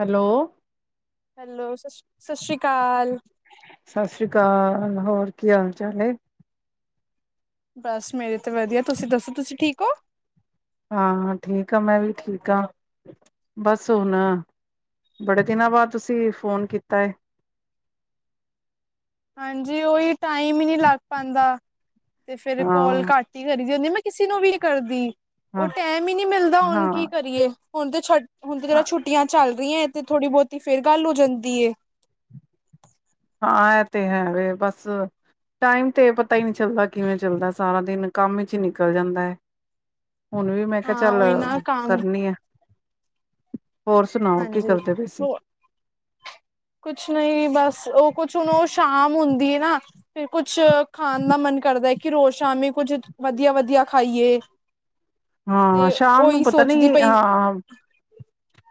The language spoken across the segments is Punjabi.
ਹੈਲੋ? ਹੈਲੋ, ਸਸ, ਸਸ ਸ਼੍ਰੀ ਕਾਲ। ਸਸ ਸ਼੍ਰੀ ਕਾਲ, ਹੋਰ ਕੀ ਹਾਲ ਚਾਲ ਏ? ਬਸ ਮੇਰੇ ਤੇ ਵਦੀਆ, ਤੁਸੀਂ ਦੱਸੋ ਤੁਸੀਂ ਠੀਕ ਓ? ਹਾਂ, ਠੀਕ ਆ ਮੈਂ ਵੀ ਠੀਕ ਆਂ। ਬਸ ਹੁਨ ਬੜੇ ਦਿਨਾਂ ਬਾਦ ਤੁਸੀਂ ਫੋਨ ਕੀਤਾ ਏ। ਹਾਂਜੀ ਓਹੀ ਟਾਈਮ ਹੀ ਨੀ ਲੱਗ ਪਾਂਦਾ ਤੇ ਫੇਰ ਹਾਂ ਕੋਲ ਘੱਟ ਈ ਕਰੀਦੀ ਹੁੰਦੀ, ਮੈਂ ਕਿਸੇ ਨੂੰ ਵੀ ਨੀ ਕਰਦੀ। ਓ ਹਾਂ ਟੈਮ ਈ ਨੀ ਮਿਲਦਾ ਹੁਨ ਹਾਂ ਕੀ ਕਰੀਏ, ਹੁਨ ਤੇ ਛੱਟ ਹੁਨ ਤੇ ਜਰਾ ਛੁੱਟੀਆਂ ਚੱਲ ਰਈਆਂ ਏ ਤੇ ਥੋੜ੍ਹੀ ਬੋਤੀ ਫੇਰ ਗੱਲ ਹੋ ਜਾਂਦੀ ਏ। ਹਾਂ ਐ ਤੇ ਹੈ ਵੇ ਬਸ ਟਾਈਮ ਤੇ ਪਤਾ ਈ ਨੀ ਚੱਲਦਾ ਕਿਵੇਂ ਚੱਲਦੈ, ਸਾਰਾ ਦਿਨ ਕੰਮ ਇਚ ਈ ਨਿਕਲ ਜਾਂਦਾ ਐ। ਹੁਨ ਵੀ ਮੈਂ ਕੇਆ ਹਾਂ ਚੱਲ ਉਹੀ ਨਾ ਕੰਮ ਕਰਨੀ ਆ। ਹੋਰ ਸੁਨਾਓ ਕੀ ਹਾਂਜੀ। ਕਰਦੇ ਪਏ ਸੀ? ਹੋ ਕੁਛ ਨਈ ਬਸ, ਓ ਕੁਛ ਹੁਨ ਓ ਸ਼ਾਮ ਹੁੰਦੀ ਏ ਨਾ। ਫਿਰ ਕੁਛ ਖਾਣ ਦਾ ਮਨ ਕਰਦਾ ਕਿ ਰੋਜ ਸ਼ਾਮੀ ਕੁੱਝ ਵਧੀਆ-ਵਧੀਆ ਖਾਈਏ। ਹਾਂ ਤੇ ਸ਼ਾਮ ਨੂੰ ਉਹੀ ਪਤਾ ਸੋਚਦੀ ਨੀ ਪਈ ਹਾਂ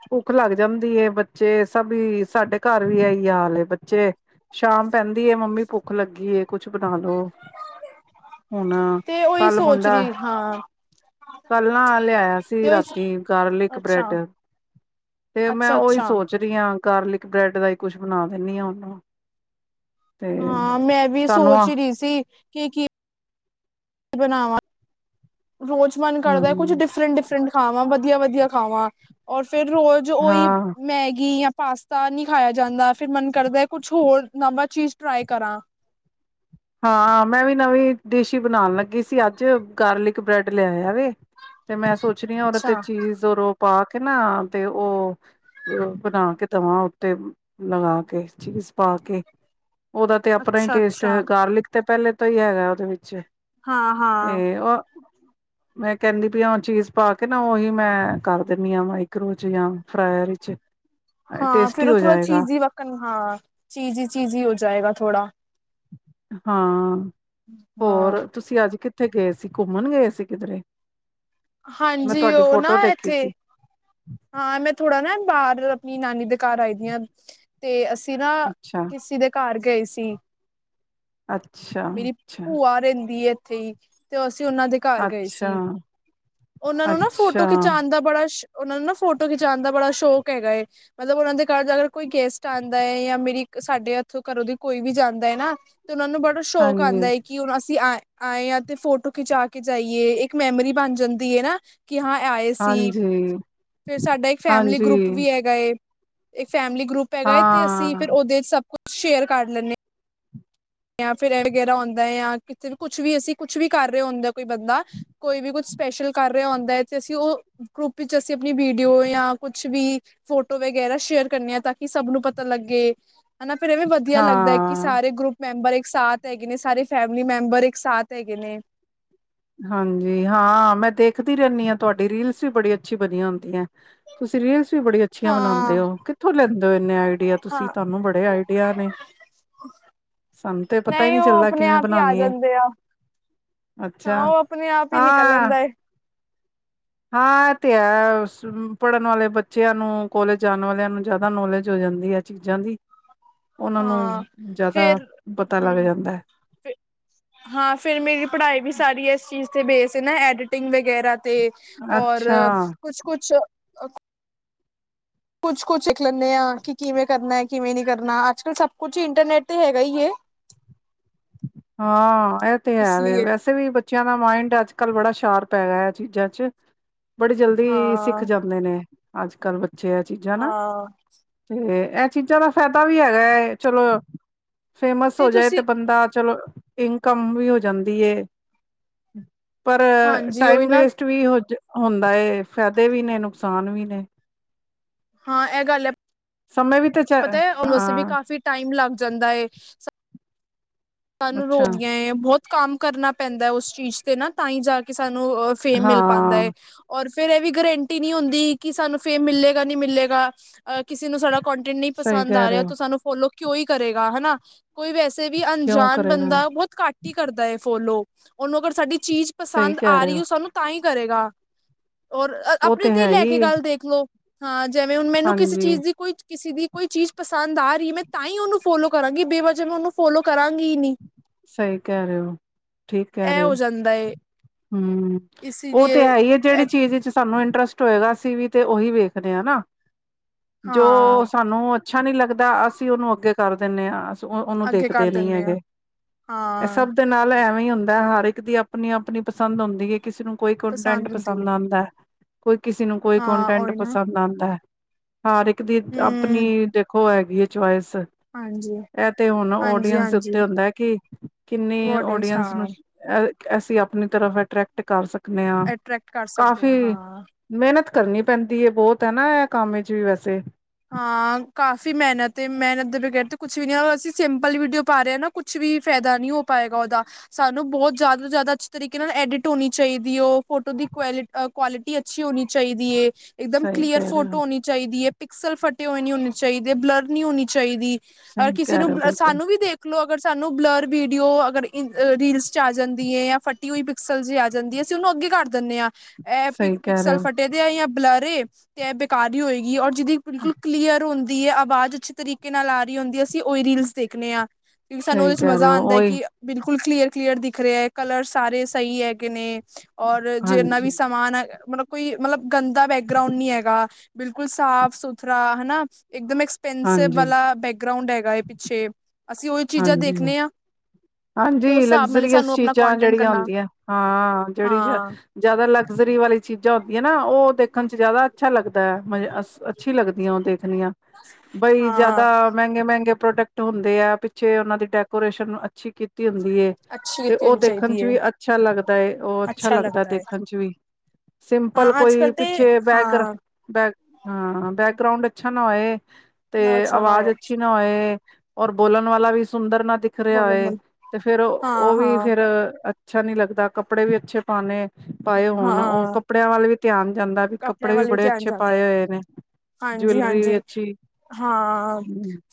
ਭੁੱਖ ਲੱਗ ਜਾਂਦੀ ਐ, ਬੱਚੇ ਸਭੀ ਸਾਡੇ ਘਰ ਵੀ ਐਈ ਹਾਲ ਏ। ਬੱਚੇ ਸ਼ਾਮ ਪੈਂਦੀ ਏ, ਮੰਮੀ ਭੁ ਭੁੱਖ ਲੱਗੀ ਏ, ਕੁਛ ਬਣਾ ਲੋੋ ਹੁਨ ਤੇ ਉਹੀ ਕਲ ਸੋਚ ਮੁੰਡਾ ਰਹੀ ਹਾਂ। ਕਲ ਨਾ ਲੇਆਏਆ ਤੇ ਸੀ ਉਹੀ ਰਾਤੀ ਗਾਰਲਿਕ ਅੱਛਾ ਬ੍ਰੈਡ ਤੇ ਮੈਂ ਅੱਛਾ ੳਈ ਅੱਛਾ ਸੋਚ ਰੀ ਆ ਗਾਰਲਿਕ ਬ੍ਰੈਡ ਦਾ ਈ ਕੁਛ ਬਨਾ ਦੇਨੀ ਆ ੳਨੂੰ। ਹਾਂ ਮੈਂ ਵੀ ਤੁਹਾਨੂੰ ਆ ਸੋਚ ਰੀ ਸੀ ਕਿ, ਕੀ ਬਨਾਵਾਂ। ਰੋਜ ਮਨ ਕਰਦਾ, ਕੁੱਛ ਹਮ ਡਿਫਰਂਟ-ਡਿਫਰਂਟ ਖਾਵਾਂ, ਵਧੀਆ-ਵਧੀਆ ਖਾਵਾਂ, ਔਰ ਫੇਰ ਰੋਜ ੳਈ ਹਾਂ ਮੈਗੀ ਯਾ ਪਾਸਤਾ ਨੀ ਖਾਯਾ ਜਾਂਦਾ, ਫੇਰ ਮਨ ਕਰਦਾ ਕੁਛ ਹੋਰ ਨਵਾਂ ਚੀਜ ਟਰਾਈ ਕਰਾਂ। ਹਾਂ ਮੈਂ ਵੀ ਨਵੀਂ ਡਿਸ਼ ਈ ਬਣਾਨ ਲੱਗੀ ਸੀ, ਅੱਜ ਗਾਰਲਿਕ ਬ੍ਰੈਡ ਲੇਆਏਆ ਵੇ ਤੇ ਮੈਂ ਸੋਚ ਰਈ ਆਂ, ੳਰੇ ਤੇ ਅੱਛਾ ਚੀਜ਼ ਔਰ ੳ ਪਾ ਕੇ ਨਾ ਤੇ ੳਹ ਅ ਬਣਾ ਕੇ ਦਵਾਂ ਉਤੇ ਲਗਾ ਕੇ ਚੀਜ਼ ਪਾ ਕੇ ੳਦਾ ਤੇ ਅਪਨਾ ਈ ਅੱਛਾ ਟੇਸਟ ਅੱਛਾ ਗਾਰਲਿਕ ਤੇ ਪੈਲੇ ਤੋਂ ਹੀ ਹੈਗਾ ੳਦੇ ਵਿੱਚ ਹਾਂ ਤੇ ਹਾਂ ਉਹ ਮੈਂ ਕੈਂਦੀ ਪਈ ਆ ਚੀਜ਼ ਪਾ ਕੇ ਨਾ ੳਹੀ ਮੈਂ ਕਰ ਦੇਂਨੀ ਆ, ਮਾਇਕਰੋ ਚ ਜਾਂ ਫਰਾਏਯਰ ਚ। ਹਾਂ ਫਿਰ ੳਹ ਥੋੜਾ ਚੀਜੀ਼ ਹ ਵਕਣ ਹਾਂ ਚੀਜ਼ੀ-ਚੀਜ਼ੀ ਹੋ ਜਾਏਗਾ ਥੋੜਾ। ਹਾਂ। ਹਾਂ। ਤੁਸੀ ਅੱਜ ਕਿੱਥੇ ਗਏ ਸੀ, ਘੁੰਮਣ ਗਏ ਸੀ ਕਿਧਰੇ? ਮੈਂ ਹਾਂਜੀ ਤੁਹਾਡੀ ਉਹ ਨਾ ਫੋਟੋ ਦੇਖੀ ਇੱਥੇ ਸੀ। ਹਾਂ ਮੈਂ ਥੋੜਾ ਨਾ ਬਾਹਰ ਅਪਨੀ ਨਾਨੀ ਦੇ ਘਰ ਆਈ ਦੀ ਆਂ। ਤੇ ਅਸੀ ਨਾ ਅੱਛਾ ਕਿਸੀ ਦੇ ਘਰ ਗਏ ਸੀ ਅੱਛ ਮੇਰੀ ਭੂਆ ਰੇਂਦੀ ਏ ਏਥੇ ਈ ਤੇ ਅਸੀ ੳਨਾਂ ਦੇ ਘਰ ਗਏ ਅੱਛਾ ਸੀ। ੳਨਾਂ ਨੂੰ ਨਾ ਅੱਛਾ ਫੋਟੋ ਖਿਚਾਣ ਦਾ ਬੜਾ ਉਹਨਾਂ ਨੂੰ ਨਾ ਫੋਟੋ ਖਿਚਾਣ ਦਾ ਬੜਾ ਸ਼ੌਕ ਹੈਗਾ ਏ। ਮਤਲਬ ੳਨਾਂ ਦੇ ਘਰ ਅਗਰ ਕੋਈ ਗੈਸਟ ਆਦਾ ਏ, ਯਾ ਮੇਰੀ ਸਾਡੇ ਏਥੋ ਘਰੋਂ ਦੀ ਕੋਈ ਵੀ ਜਾਂਦਾ ਐ ਨਾ ਤੇ ੳਨਾਂ ਨੂੰ ਬੜਾ ਸ਼ੌਕ ਹਾਂਜੀ ਆਂਦਾ ਐ, ਕਿ ਹੁਨ ਅਸੀ ਆਏ ਆਂਏ ਆ ਤੇ ਫੋਟੋ ਖਿਚਾ ਕੇ ਜਾਈਏ, ਇੱਕ ਮੈਮਰੀ ਬਣ ਜਂਦੀ ਐ ਨਾ। ਕਿ ਹਾਂ ਏ ਆਏ ਸੀ, ਹਾਂਜੀ ਫੇਰ ਸਾਡਾ ਇੱਕ ਫੈਮਲੀ ਹਾਂਜੀ ਗਰੁੱਪ ਵੀ ਹੈਗਾ ਏ। ਇੱਕ ਫੈਮਿਲੀ ਗਰੁੱਪ ਹੈਗਾ ਏ, ਤੇ ਅਸੀ ਹਾਂ ਫੇਰ ੳਦੇ ਚ ਸਭ ਕੁਛ ਸ਼ੇਅਰ ਕਰ ਲੈਨੇ ਜਾਂ ਫੇਰ ਵਗੈਰਾ ਹੁੰਦਾ ਐ, ਜਾਂ ਕਿਤੇ ਵੀ ਕੁਛ ਵੀ ਅਸੀ ਕੁਛ ਵੀ ਕਰ ਰਹੇ ਹੁੰਦੇ ਕੋਈ ਬੰਦਾ ਕੋਈ ਵੀ ਕੁਛ ਸਪੈਸ਼ਲ ਕਰ ਰਿਹਾ ਹੁੰਦਾ ਹੈ, ਤੇ ਅਸੀਂ ਉਹ ਗਰੁੱਪ ਵਿੱਚ ਅਸੀ ਅਪਣੀ ਵੀਡੀਓ ਯਾਂ ਕੁਛ ਵੀ ਫੋਟੋ ਵਗੈਰਾ ਸ਼ੇਅਰ ਕਰਨੇ ਆ ਤਾਂ ਕਿ ਸਭ ਨੂੰ ਪਤਾ ਲੱਗੇ। ਹੈਨਾ ਫੇਰ ਐਵੇਂ ਵਧੀਆ ਲੱਗਦਾ ਐ, ਕਿ ਹਾਂ ਸਾਰੇ ਗਰੁੱਪ ਮੈਂਬਰ ਇੱਕ ਸਾਥ ਹੈਗੇ ਨੇ, ਸਾਰੇ ਫੈਮਿਲੀ ਮੈਂਬਰ ਇੱਕ ਸਾਥ ਹੈਗੇ ਨੇ। ਹਾਂਜੀ ਹਾਂ, ਮੈਂ ਦੇਖਦੀ ਰੇਨੀ ਆ ਤੁਆਡੀ ਰੀਲਸ ਵੀ ਬੜੀ ਅੱਛੀ ਬਣਿਆ ਹੁੰਦੀਐ। ਤੁਸੀ ਰੀਲਸ ਵੀ ਬੜੀ ਅੱਛੀਆਂ ਹਾਂ, ਬਨਾਦੇ ੳ। ਕਿੱਥੋਂ ਲੈਂਦੇ ੳ ਏਨੇ ਆਈਡੀਆ ਤੁਸੀ? ਹਾਂ। ਤਾਨੂੰ ਬੜੇ ਆਈਡੀਆ ਨੇ। ਸਾਨੂੰ ਤੇ ਪਤਾ ਈ ਨਹੀਂ ਨਈ ਉਹ ਚੱਲਦਾ ਆਪਣੇ ਕਿਵੇਂ ਆਪ ਹੀ ਆ ਬਨਾਨੀ ਏ। ਜਾਂਦੇ ਆ। ਹਾਂ ਅੱਛਾ, ਉਹ ਆਪਣੇ ਆਪ ਹੀ ਨਿਕਲ ਅਹ ਆਂਦਾ ਏ ਹਾਂ ਐ ਤੇ ਹੈ, ਪੜਨ ਵਾਲੇ ਬੱਚੇਆਂ ਨੂੰ, ਕੋਲੇਜ ਜਾਣ ਵਾਲੇਆਂ ਨੂੰ ਜਾਦਾ ਨੌਲੇਜ ਹੋ ਜਾਂਦੀ ਏ। ਚੀਜ਼ਾਂ ਦੀ ਉਨਾਂ ਨੂੰ ਹਾਂ ਜੇਆਦਾ ਫੇਰ ਪਤਾ ਲੱਗ ਹੂੰ ਜਾਂਦਾ ਏ। ਹਾਂ, ਫੇਰ ਮੇਰੀ ਪੜ੍ਹਾਈ ਵੀ ਸਾਰੀ ਏਸ ਚੀਜ਼ ਤੇ ਬੇਸ ਨਾ ਐਡੀਟਿੰਗ ਵਗੈਰਾ ਤੇ ਔਰ ਅੱਛਾ ਕੁਛ-ਕੁਛ ਕੁਛ -ਕੁਛ ਸਿੱਖ ਲੈਂਨੇ ਆ, ਕਿ ਕਿਵੇਂ ਕਰਨਾ ਕਿਵੇਂ ਨੀ ਕਰਨਾ, ਅੱਜ -ਕਲ ਸਭ ਕੁਛ ਇੰਟਰਨੈਟ ਤੇ ਹੈਗਾ ਈ ਏ। ਹਾਂ, ਐ ਤੇ ਇਸ ਹੈ ਵੇ ਲੀਏ ਵੈਸੇ ਵੀ। ਬੱਚੇਆਂ ਦਾ ਮਾਇੰਡ ਅੱਜ -ਕੱਲ੍ਹ ਬੜਾ ਸ਼ਾਰਪ ਹੈਗਾ ਆ, ਏ ਚੀਜ਼ਾਂ ਚ ਬੜੀ ਜਲਦੀ ਹਾਂ ਸਿੱਖ ਜਾਂਦੇ ਨੇ ਅੱਜ -ਕੱਲ੍ਹ ਬੱਚੇ ਏ ਚੀਜ਼ਾਂ ਨਾ। ਹਾਂ ਤੇ ਐ ਚੀਜ਼ਾਂ ਦਾ ਫਾਏਦਾ ਵੀ ਹੈਗਾ ਏ, ਚਲੋ ਫੇਮਸ ਹੋ ਜਾਏ ਤੇ ਬੰਦਾ। ਚਲੋ ਇਨਕਮ ਵੀ ਹੋ ਜਾਂਦੀ ਏ। ਪਰ ਹਾਂਜੀ ਉਹੀ ਟਾਈਮ ਨਾ ਵੇਸਟ ਵੀ ਹੋ ਜ ਹੁੰਦਾ ਏ, ਫਾਏਦੇ ਵੀ ਨੇ, ਨੁਕਸਾਨ ਵੀ ਨੇ। ਹਾਂ, ਏ ਗੱਲ ਏ। ਸਮੇਂ ਵੀ ਤੇ ਚ ਪਤਾ ਏ, ਹੁਨ ਵੈਸੇ ਵੀ ਹਾਂ ਕਾਫੀ ਟਾਈਮ ਲੱਗ ਜਾਂਦਾ ਏ। ਸਾਨੂੰ ਅੱਛਾ ਰੋਦੀਆਂ ਏ, ਬਹੁਤ ਕੰਮ ਕਰਨਾ ਪੈਂਦਾ, ਉਸ ਚੀਜ਼ ਤੇ ਨਾ ਤਾਂ ਹੀ ਜਾ ਕੇ ਸਾਨੂੰ ਅ ਫੇਮ ਮਿਲ ਪਾਂਦਾ ਹਾਂ ਏ। ਔਰ ਫੇਰ ਇਹ ਵੀ ਗਰੰਟੀ ਨਹੀਂ ਹੁੰਦੀ ਕਿ ਸਾਨੂੰ ਫੇਮ ਮਿਲੇਗਾ ਨੀ ਮਿਲੇਗਾ। ਅ ਕਿਸੇ ਨੂੰ ਸਾਡਾ ਕੋਂਟੈਂਟ ਨਹੀਂ ਸਹੀ ਪਸੰਦ ਕਹਿ ਆ ਰਹੇ ਰੇਆ ਹੋ ਤਾਂ ਸਾਨੂੰ ਫੋਲੋ ਕਿਉਂ ਹੀ ਕਰੇਗਾ ਹਨਾ। ਕੋਈ ਵੈਸੇ ਵੀ ਕਿਉਂ ਜਾਨ ਕਰੇਗਾ ਬੰਦਾ ਬਹੁਤ ਘੱਟ ਹੀ ਕਰਦਾ ਏ, ਫੋਲੋ ਉਹਨੂੰ ਅਗਰ ਸਾਡੀ ਚੀਜ਼ ਸਹੀ ਪਸੰਦ ਕਹਿ ਆ ਰਹੇ ਰਹੀ, ਹੋ ਓ ਸਾਨੂੰ ਤਾਂ ਹੀ ਕਰੇਗਾ। ਔਰ ਆਪਨੇ ਤੇ ਹੀ ਲੈ ਕੇ ਗੱਲ ਦੇਖ ਲਓ। ਹਾਂ, ਜੈਵੇਂ ਹੁਨ ਮੈਨੂੰ ਕਿਸੇ ਹਾਂਜੀ ਚੀਜ਼ ਦੀ ਕੋਈ ਕਿਸੇ ਦੀ ਕੋਈ ਚੀਜ਼ ਪਸੰਦ ਆ ਰਹੀ ਏ, ਮੈਂ ਤਾਂ ਹੀ ਉਨੂੰ ਫੋਲੋ ਕਰਾਂਗੀ। ਬੇ ਵਜਾ ਮੈਂ ਉਹਨੂੰ ਫੋਲੋ ਕਰਾਂਗੀ ਹੀ ਨੀ। ਸਹੀ ਕੇਅ ਰੇਅ ਓ, ਠੀਕ ਕੇਅ ਰੇਅ ਹੋ ਓ। ਜਾਂਦਾ ਏ ਹੂੰ, ਇਸ ਓ ਤੇ ਲੀਏ ਹੈ ਹੀ ਆ, ਜੇੜੀ ਚੀਜ਼ ਸਾਨੂੰ ਇੰਟਰਸਟ ਹੋਏਗਾ, ਅਸੀਂ ਵੀ ਤੇ ਉਹੀ ਵੇਖਦੇ ਆਂ ਨਾ, ਜੋ ਹਾਂ ਸਾਨੂੰ ਅ ਅੱਛਾ, ਨਹੀਂ ਲੱਗਦਾ। ਅਸੀਂ ਉਨੂੰ ਅੱਗੇ ਕਰ ਦਿੰਦੇ ਆਂ। ਅਸੀ ਉਨੂੰ ਅੱਗੇ ਕਰ ਦੇਖਦੇ ਨੀ ਦਿੰਦੇ ਆ ਹੈਗੇ। ਐ ਹਾਂ ਸਭ ਦੇ ਨਾਲ ਐਵੇਂ ਹੀ ਹੁੰਦਾ, ਹਰ ਏਕ ਦੀ ਆਪਨੀ- ਆਪਨੀ ਪਸੰਦ ਹੁੰਦੀ ਏ। ਕਿਸੇ ਨੂੰ ਕੋਈ ਕੰਟੈਂਟ ਹੁੰਦੀ ਏ, ਪਸੰਦ ਆਂਦਾ, ਕੋਈ ਕਿਸੇ ਨੂੰ ਕੋਈ ਹਾਂ ਕੰਟੈਂਟ ਉਹੀ ਨਾ ਪਸੰਦ ਆਂਦਾ। ਹਰ ਇੱਕ ਦੀ ਆਪਨੀ ਹਮ ਦੇਖੋ ਹੈਗੀ ਏ ਚੁਆਏਸ। ਹਾਂਜੀ ਐ ਤੇ ਹੁਨ ਹਾਂਜੀ ਓਡੀਅੰਸ ਦੇ ਹਾਂਜੀ ਉੱਤੇ ਹੁੰਦਾ ਕਿ ਕਿੰਨੇ ਓਡੀਅੰਸ ਨੂੰ ਅ ਅਸੀਂ ਆਪਨੀ ਤਰਫ ਅਟਰ੍ਰੈਕਟ ਕਰ ਸਕ ਕਨੇ ਆਂ ਅਟਰ੍ਰੈਕਟ ਕਰ ਸਕਦੇ ਹਾਂ ਕਾਫੀ ਹਾਂ ਮੇਹਨਤ ਕਰਨੀ ਪੈਂਦੀ ਏ, ਬੋਹਤ ਏ ਨਾ, ਐ ਕੰਮ ਵਿੱਚ ਵੀ ਵੈਸੇ। ਹਾਂ, ਕਾਫ਼ੀ ਮੇਹਨਤ, ਤੇ ਮੇਹਨਤ ਦੇ ਬਗੈਰ ਤੇ ਕੁਛ ਵੀ ਨੀ, ਅਸੀਂ ਸਿੰਪਲ ਵੀਡੀਓ ਪਾ ਰਹੇ ਆਂ ਨਾ। ਕੁਛ ਵੀ ਫ਼ਾਏਦਾ ਨੀ ਹੋ ਪਾਏਗਾ ਉਹਦਾ। ਸਾਨੂੰ ਬਹੁਤ ਜੇਆਦਾ ਤੋਂ ਜੇਆਦਾ ਅੱਛੀ ਤਰੀਕੇ ਨਾਲ ਐਡਿਟ ਹੋਨੀ ਚਾਹੀਦੀ ਏ। ਓ ਫੋਟੋ ਦੀ ਕੁਆਏਲ ਕੁਆਲਿਟੀ ਅੱਛੀ ਹੋਨੀ ਚਾਹੀਦੀ ਏ। ਇਕਦਮ ਸਹੀ ਕਲੀਅਰ ਕਹਿ ਰਹੇ ਫੋਟੋ ਹੋ ਹੋਨੀ ਚਾਹੀਦੀ ਏ, ਪਿਕਸਲ ਫਟੇ ਹੋਏ ਨੀ ਹੋਨੇ ਚਾਹੀਦੇ, ਬਲਰ ਨਹੀਂ ਹੋਨੀ ਚਾਹੀਦੀ। ਔਰ ਸਹੀ ਕਿਸੇ ਕਹਿ ਨੂੰ ਰਹੇ ਹੋ ਬਿਲਕੁਲ ਸਾਨੂੰ ਵੀ ਦੇਖ ਦੇਖ ਲੋ ਅਗਰ ਸਾਨੂੰ ਬਲਰ ਵੀਡੀਓ, ਅਗਰ ਰੀਲਸ ਚ ਆ ਜਾਂਦੀ ਹੈ ਜਾਂ ਫਟੀ ਹੋਈ। ਸਲ ਜੀ ਆ ਜਾਂਦੀ। ਅਸੀਂ ਉਨੂੰ ਅੱਗੇ ਕਰ ਦਿੰਦੇ ਆਂ। ਐ ਸਹੀ ਕਹਿ ਰਹੇ ਪਿਕਸਲ ਹੋ ਫਟੇ ਦੇ ਆ, ਜਾਂ ਬਲਰ ਏ ਤੇ ਐ ਬੇਕਾਰ ਈ ਹੋਏਗੀ ਔਰ ਜਿਦੀ ਬਿਲਕੁਲ ਕਲੀਅਰ ਹੁੰਦੀ ਏ, ਆਵਾਜ਼ ਅੱਛੇ ਤਰੀਕੇ ਨਾਲ, ਆ ਰਹੀ ਹੁੰਦੀ ਆ। ਅਸੀਂ ਉਹੀ ਰੀਲਸ ਦੇਖਨੇ ਆ। ਸਾਨੂੰ ਸਹੀ ਉਦੇ ਚ ਕਹਿ ਮਜ਼ਾ ਰਹੇ ਆਂਦਾ ਹੋ ਏ ਉਹੀ ਕਿ ਬਿਲਕੁਲ ਕਲੀਅਰ -ਕਲੀਅਰ ਦਿਖ ਰੇਆ ਏ, ਕਲਰ ਸਾਰੇ ਸਹੀ ਹੈਗੇ ਨੇ। ਔਰ ਜਿੰਨਾ ਵੀ ਹਾਂਜੀ ਸਮਾਨ ਐ, ਮਤਲਬ ਕੋਈ ਮਤਲਬ ਗੰਦਾ ਬੈਗਰਾਉਂਡ ਨੀ ਹੈਗਾ, ਬਿਲਕੁਲ ਸਾਫ- ਸੁਥਰਾ ਹਨਾ, ਏਕਦਮ ਐਕਸਪੈਂਸਿਵ ਹਾਂਜੀ ਵਾਲਾ ਬੈਗਰਾਉਂਡ ਹੈਗਾ ਏ ਪਿੱਛੇ। ਅਸੀਂ ਓਈ ਚੀਜ਼ਾਂ ਹਾਂਜੀ ਦੇਖਨੇ ਆ। ਤੇ ਉਸ ਹਾਂਜੀ, ਹਿਸਾਬ ਨਾਲ ਹੀ ਲਗਜ਼ਰੀਅਸ ਸਾਨੂੰ ਆਪਣਾ ਚੀਜ਼ਾਂ ਕੰਟੈਂਟ ਜੇੜ੍ਹੀਆਂ ਕਰਨਾ ਹੁੰਦੀਐ, ਹਾਂ ਜੇੜੀ ਹਾਂ - ਜਾਦਾ ਲਗਜ਼ਰੀ ਵਾਲੀ ਚੀਜ਼ਾਂ ਹੁੰਦੀ ਐ ਨਾ ਓ ਦੇਖਣ ਚ ਜਾਦਾ ਅੱਛਾ ਲੱਗਦੈ, ਮਜੇ ਅਸ ਅ ਅੱਛੀ ਲੱਗਦੀਆਂ ਓ ਦੇਖਣੀਆਂ, ਬਈ ਹਾਂ ਜਾਦਾ ਮੈਗੇ-ਮੈਂਗੇ ਪ੍ਰੋਡਕਟ ਹੁੰਦੇ ਆ ਪਿੱਛੇ ਓਨਾਂ ਦੀ ਡੈਕੋਰੇਸ਼ਨ ਅੱਛੀ ਕੀਤੀ ਹੁੰਦੀ ਏ ਅੱਛੀ ਤੇ ਕੀਤੀ ਓ ਹੋਣੀ ਦੇਖਨ ਚਾਹੀਦੀ ਚ ਹੈ ਵੀ ਅੱਛਾ ਲੱਗਦਾ ਏ, ਓ ਅੱਛਾ ਲੱਗਦੈ ਦੇਖਨ ਚ ਵੀ। ਸਿੰਪਲ ਕੋਈ ਪਿੱਛੇ ਬੈਂਕਰ ਹਾਂ ਬੈਕ ਹਾਂ, ਬੈਕਗਰਾਉਂਡ ਅੱਛਾ ਨਾ ਹੋਏ, ਨਾ ਤੇ ਅੱਛਾ ਨਾ ਅਵਾਜ਼ ਹੋਏ ਅੱਛੀ ਨਾ ਹੋਏ, ਔਰ ਬੋਲਨ ਵਾਲਾ ਵੀ ਸੁੰਦਰ ਨਾ ਦਿਖ ਰਿਆ ਬੋਲਣ ਹੋਏ ਤੇ ਫੇਰ ਹਾਂ ਓ ਵੀ ਹਾਂ ਫੇਰ ਅੱਛਾ ਨੀ ਲੱਗਦਾ, ਕੱਪੜੇ ਵੀ ਅੱਛੇ ਪਾਨੇ -ਪਾਏ ਹੋਨ ਓ ਹਾਂ ਕੱਪੜਿਆਂ ਵੱਲ ਵੀ ਧਿਆਨ ਜਾਂਦਾ, ਵੀ ਕੱਪੜੇ ਵੀ ਬੜੇ ਅੱਛੇ ਪਾਏ ਹੋਏ ਨੇ। ਜਵੈਲਰੀ ਵੀ ਹਾਂਜੀ-ਹਾਂਜੀ ਅੱਛੀ ਹਾਂ,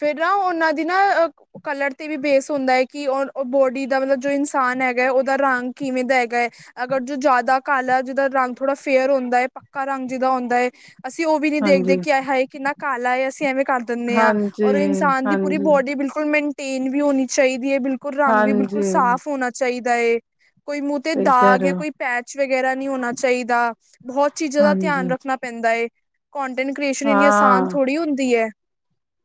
ਫੇਰ ਨਾ ਓਨਾਂ ਦੀ ਨਾ ਓ ਕਲਰ ਤੇ ਵੀ ਬੇਸ ਹੁੰਦਾ ਏ ਕਿ ਓਰ ਓ ਬੋਡੀ ਦਾ ਮਤਲਬ ਜੋ ਇਨਸਾਨ ਹੈਗਾ ਏ ਓਦਾ ਰੰਗ ਕਿਵੇਂ ਦਾ ਹੈਗਾ ਏ। ਅਗਰ ਜੋ ਜਾਦਾ ਕਾਲਾ, ਜਿਦਾ ਰੰਗ ਥੋੜਾ ਫੇਅਰ ਹੁੰਦਾ ਏ, ਪੱਕਾ ਰੰਗ ਜਿਦਾ ਹੁੰਦਾ ਏ ਅਸੀਂ ਓ ਵੀ ਨੀ ਦੇਖਦੇ ਹਾਂਜੀ ਕਿ ਆਏ-ਹਾਏ ਕਿੰਨਾ ਕਾਲਾ ਏ, ਅਸੀਂ ਐਵੇਂ ਕਰ ਦੇਨੇ ਆ। ਹਾਂਜੀ ਔਰ ਓ ਇਨਸਾਨ ਦੀ ਪੂਰੀ ਹਾਂਜੀ ਬੋਡੀ ਬਿਲਕੁਲ ਮੈਨਟੇਨ ਵੀ ਹੋਣੀ ਚਾਈਦੀ ਏ, ਬਿਲਕੁਲ ਰੰਗ ਵੀ ਬਿਲਕੁਲ ਹਾਂਜੀ ਸਾਫ਼ ਹੋਨਾ ਚਾਈਦਾ ਏ, ਕੋਈ ਮੂੰਅ ਤੇ ਸਹੀ ਕਹਿ ਦਾਗ ਰਹੇ ਯਾਂ ਹੋ ਕੋਈ ਪੈਚ ਵਗੈਰਾ ਨੀ ਹੋਨਾ ਚਾਈਦਾ, ਬਹੁਤ ਚੀਜ਼ਾਂ ਦਾ ਧਿਆਨ ਹਾਂਜੀ ਰੱਖਣਾ ਪੈਂਦਾ ਏ। ਕੋਂਟੈਂਟ ਕ੍ਰੀਏਸ਼ਨ ਇੰਨੀ ਆਸਾਨ ਹਾਂ ਥੋੜ੍ਹੀ ਹੁੰਦੀ ਐ।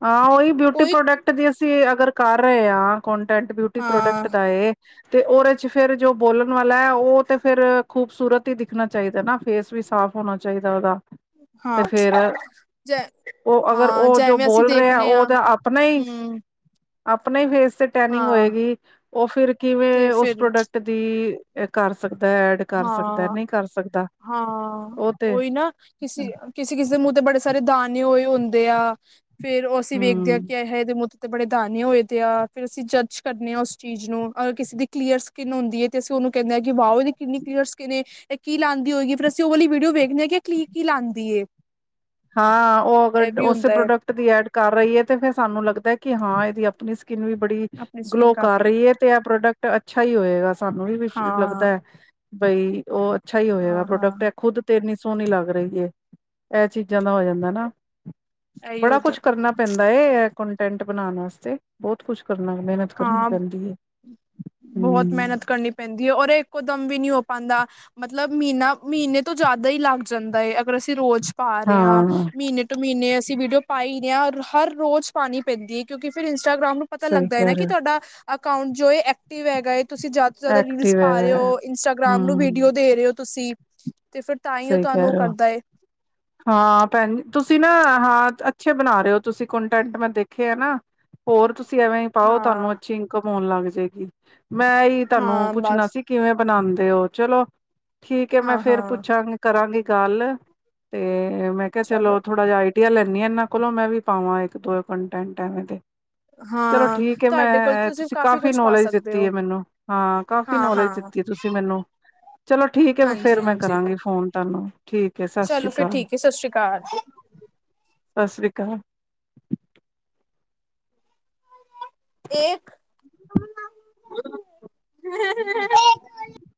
ਹਾਂ ਓਹੀ, ਬਿਊਟੀ ਪ੍ਰੋਡਕਟ ਦੀ ਅਸੀਂ ਅਗਰ ਕਰ ਰਏ ਆ, ਕੋਂਟੈਂਟ ਬਿਊਟੀ ਹਾਂ ਪ੍ਰੋਡਕਟ ਦਾ ਏ। ਤੇ ਓਰੇ ਚ ਫੇਰ ਜੋ ਬੋਲਨ ਵਾਲਾ ਏ ਓ ਤੇ ਫੇਰ ਖੂਬਸੂਰਤ ਈ ਦਿਖਨਾ ਚਾਈਦੈ ਨਾ, ਫੇਸ ਵੀ ਸਾਫ਼ ਹੋਣਾ ਚਾਈਦੈ ਓਦਾ। ਤੇ ਹਾਂ ਫੇਰ ਜੈ ਓ ਅਗਰ ਹਾਂ ਓ ਜੋ ਜੈਵੇਂ ਅਸੀਂ ਬੋਲ ਰਿਆ ਦੇਖਣੇ ਓ ਆ ਓਦਾ ਆਪਨਾ ਈ ਹੂੰ ਅਪਨੇ ਈ ਫੇਸ ਤੇ ਟੈਨਿੰਗ ਹਾਂ ਹੋਏਗੀ ਓ ਫਿਰ ਤੇ ਕਿਵੇਂ ਉਸ ਫਿਰ ਪ੍ਰੋਡਕਟ ਦੀ ਏ ਕਰ ਸਕਦੈ, ਐਡ ਕਰ ਸਕਦੈ, ਹਾਂ ਨਈ ਕਰ ਸਕਦਾ ਹਾਂ ਓ ਤੇ। ਕਿਸੀ-ਕਿਸੀ ਦੇ ਮੂੰਅ ਤੇ ਬੜੇ ਸਾਰੇ ਦਾਣੇ ਹੋਏ ਹੁੰਦੇ ਆ, ਫੇਰ ਓ ਅਸੀਂ ਵੇਖਦੇ ਆ ਹਮ ਕਿ ਆਏ -ਹਾਏ ਐਦੇ ਮੂੰਅ ਤੇ ਤੇ ਬੜੇ ਦਾਨੇ ਹੋਏ ਦੇ ਆ। ਫੇਰ ਅਸੀਂ ਜੱਜ ਕਰਨੇ ਆ ਉਸ ਚੀਜ਼ ਨੂੰ ਅਗਰ ਕਿਸੇ ਦੀ ਕਲੀਅਰ ਸ ਕਿਨ ਹੁੰਦੀ ਏ ਤੇ ਅਸੀ ਉਨੂੰ ਕੈਂਨੇ ਆ ਕਿ ਵਾਓ ਐਦੀ ਕਿੰਨੀ ਕਲੀਅਰ ਸਕੀਨ ਏ, ਐ ਕੀ ਲਾਂਦੀ ਹੋਏਗੀ ਫੇਰ ਅਸੀਂ ਓ ਵਾਲੀ ਵੀਡੀਓੇ ਵੇਖਨੇ ਆ, ਕਿ ਐ ਕਲੀ-ਕੀ ਲਾਂਦੀ ਏ। ਹਾਂ, ਓ ਇਹ ਅਗਰ ਵੀ ਓਸੇ ਹੁੰਦਾ ਹੈ ਪ੍ਰੋਡਕਟ ਦੀ ਐਡ ਕਰ ਰਈ ਐ ਤੇ ਫੇਰ ਸਾਨੂੰ ਲੱਗਦਾ ਐ ਕਿ ਹਾਂ ਏਦੀ ਅਪਨੀ ਸਕਿਨ ਵੀ ਬੜੀ ਆਪਣੀ ਸਕਿੰਨ ਗਲੋ ਕਰ ਕਾਫੀ ਰਈ ਏ ਤੇ ਐ ਪ੍ਰੋਡਕਟ ਅੱਛਾ ਈ ਹੋਏਗਾ, ਸਾਨੂੰ ਵੀ ਹਾਂ ਵਿਸ਼-ਲੱਗਦੈ ਬਈ ਓ ਅੱਛਾ ਈ ਹੋਏਗਾ ਹਾਂ ਪ੍ਰੋਡਕਟ, ਹਾਂ ਐ ਖੁੱਦ ਤੇ ਇਨੀ ਸੋਣੀ ਲੱਗ ਰਈ ਐ, ਐ ਚੀਜ਼ ਜਾਂ ਦਾ ਹੋ ਜਾਂਦਾ ਨਾ। ਇਹੀ ਬੜਾ ਹੋ ਤਾਂ ਕੁਛ ਕਰਨਾ ਪੈਂਦਾ ਏ ਐ ਕੋਂਟੈਂਟ ਬਨਾਂਨ ਵਸਤੇ, ਬਹੁਤ ਕੁਛ ਕਰਨਾ ਮਿਹਨਤ ਕਰਨੀ ਹਾਂ, ਪੈਂਦੀ ਹੈ ਬਹੁਤ ਹਮ ਮੈਨਤ ਕਰਨੀ ਪੈਂਦੀ ਏ ਔਰ ਐ ਇੱਕੋ ਦਮ ਵੀ ਨੀ ਹੋ ਪਾਂਦਾ ਮਤਲਬ ਮਅਈਨਾ, ਮਅਈਨੇ ਤੋਂ ਜਾਦਾ ਈ ਲੱਗ ਜਾਂਦਾ ਏ ਅਗਰ ਅਸੀਂ ਰੋਜ਼ ਪਾ ਰੇ ਆ, ਹਾਂ ਮੀਨੇ ਟੂ ਮੀਨੇ ਅਸੀਂ ਵੀਡੀਓ ਪਾ ਈ ਰੇ ਆ ਔਰ ਹਰ ਰੋਜ਼ ਪਾਣੀ ਪੈਂਦੀ ਏ ਕਿਉਂਕਿ ਫੇਰ ਇੰਸਟਾਗ੍ਰਾਮ ਨੂੰ ਪਤਾ ਸਹੀ ਲੱਗਦਾ ਏ ਨਾ ਕਹਿ ਕਿ ਰਹੇ ਹੋ ਸਾਡਾ ਅਕਾਂਊਟ ਜੋ ਏ ਐਕਟਿਵ ਹੈਗਾ ਏ। ਤੁਸੀਂ ਜਾਦਾ ਤੋਂ ਜਾਦਾ ਰੀਲਸ ਐਕਟਿਵ ਪਾ ਰੇ ਹੈਗਾ ਓ, ਇੰਸਟਾਗ੍ਰਾਮ ਨੂੰ ਹਮ ਵੀਡੀਓ ਦੇ ਰੇ ਓ ਤੁਸੀਂ ਤੇ ਫੇਰ ਤਾਂ ਈ ਓ ਸਹੀ ਕਹਿ ਤੁਆਨੂੰ ਓ ਰਹੇ ਹੋ ਕਰਦਾ ਏ। ਹਾਂ ਭੈਨਜੀ, ਤੁਸੀਂ ਨਾ ਹਾਂ ਅੱਛੇ ਬਨਾ ਰੇ ਓ ਤੁਸੀਂ ਕੋਂਟੈਂਟ, ਮੈਂ ਦੇਖੇ ਐ ਨਾ। ਹੋਰ ਤੁਸੀ ਐਵੇਂ ਈ ਪਾਓ, ਤੋਆਨੂੰ ਹਾਂ ਅੱਛੀ ਇਨਕਮ ਹੋਨ ਲੱਗ ਜੇ ਗੀ। ਮੈਂ ਐਈ ਤਾਨੂੰ ਹਾਂ ਪੁੱਛਣਾ ਬਸ ਸੀ, ਕਿਵੇਂ ਬਨਾਂਦੇ ਓ, ਚਲੋ ਠੀਕ ਐ ਮੈਂ ਹਾਂ ਫੇਰ ਪੁੱਛ ਹਾਂ [unintelligible] ਕਰਾਂਗੀ ਗਾੱਲ, ਤੇ ਮੈਂ ਕੇਆ ਚਲੋ ਥੋੜਾ ਜਾ ਆਈ ਆਈਡੀਆ ਲੈਨੀ ਆਂ ਐਨਾਂ ਕੋਲੋਂ, ਮੈਂ ਵੀ ਪਾਵਾਂ ਇੱਕ-ਦੋ ਕੰਟੈਂਟ ਐਵੇਂ ਦੇ ਚਲੋ ਹਾਂ ਠੀਕ ਏ ਤੁਹਾਡੇ ਕੋਲ ਮੈਂ ਤੁਸੀਂ ਤੁਸੀ ਕਾਫ਼ੀ ਕੁਛ ਪਾ ਨੌਲੇਜ ਸਕਦੇ ਦਿੱਤੀ ਏ ਹੋ ਮੈਨੂੰ, ਹਾਂ। ਕਾਫ਼ੀ ਹਾਂ ਨੌਲੇਜ ਹਾਂ ਦਿੱਤੀ ਏ ਤੁਸੀ ਮੈਨੂੰ, ਚਲੋ ਠੀਕ ਏ ਫੇਰ ਹਾਂਜੀ ਮੈਂ ਹਾਂਜੀ ਕਰਾਂਗੀ ਫੋਨ ਤਾਨੂੰ, ਠੀਕ ਏ ਚਲੋ ਸਾਸ਼੍ਰੀ ਫਿਰ ਕਾਲ। ਠੀਕ ਹੈ ਸਤਿ ਸ਼੍ਰੀ ਅਕਾਲ ਸਾਸਰੀ ਕਾਲ। ਏਕ